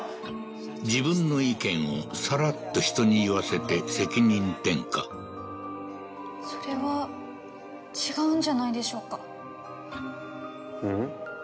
自分の意見をさらっと人に言わせて責任転嫁それは違うんじゃないでしょうかん？